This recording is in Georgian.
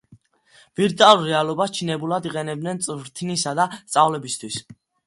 ვირტუალურ რეალობას ჩინებულად იყენებენ წვრთნისა და სწავლებისთვის.